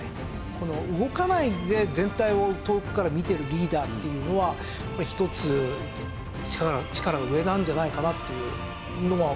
この動かないで全体を遠くから見てるリーダーっていうのは一つ力が上なんじゃないかなっていうのは。